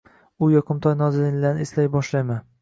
U yoqimtoy nozaninlarni eslay boshlayman